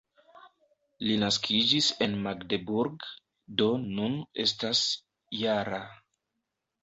Li naskiĝis en Magdeburg, do nun estas -jara.